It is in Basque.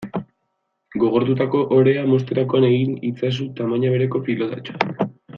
Gogortutako orea mozterakoan egin itzazu tamaina bereko pilotatxoak.